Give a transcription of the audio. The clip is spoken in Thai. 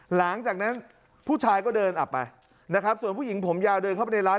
หลังจากนั้นผู้ชายก็เดินออกไปนะครับส่วนผู้หญิงผมยาวเดินเข้าไปในร้าน